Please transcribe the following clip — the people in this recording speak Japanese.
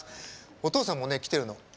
お父さんもね来てるの。